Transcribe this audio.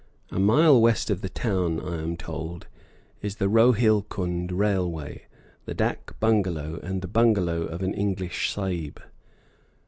A mile west of the town, I am told, is the Rohilcund Railway, the dak bungalow, and the bungalow of an English Sahib.